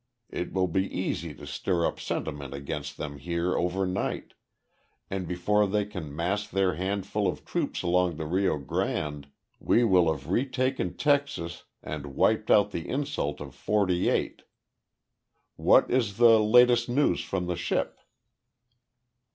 It will be easy to stir up sentiment against them here overnight, and before they can mass their handful of troops along the Rio Grande we will have retaken Texas and wiped out the insult of 'forty eight. What is the latest news from the ship?"